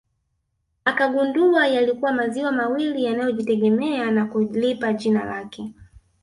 Akagundua yalikuwa maziwa mawili yanayojitegemea na kulipa jina lake